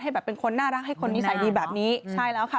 แบบเป็นคนน่ารักให้คนนิสัยดีแบบนี้ใช่แล้วค่ะ